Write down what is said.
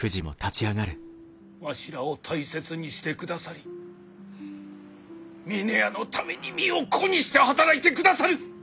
わしらを大切にしてくださり峰屋のために身を粉にして働いてくださる！